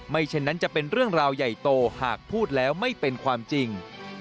เช่นนั้นจะเป็นเรื่องราวใหญ่โตหากพูดแล้วไม่เป็นความจริง